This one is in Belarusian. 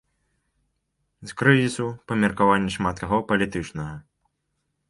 З крызісу, па меркаванні шмат каго, палітычнага.